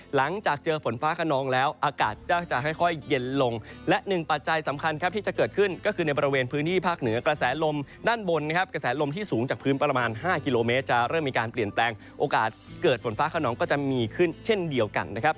หลังจากเจอฝนฟ้าขนองแล้วอากาศก็จะค่อยเย็นลงและหนึ่งปัจจัยสำคัญครับที่จะเกิดขึ้นก็คือในบริเวณพื้นที่ภาคเหนือกระแสลมด้านบนนะครับกระแสลมที่สูงจากพื้นประมาณ๕กิโลเมตรจะเริ่มมีการเปลี่ยนแปลงโอกาสเกิดฝนฟ้าขนองก็จะมีขึ้นเช่นเดียวกันนะครับ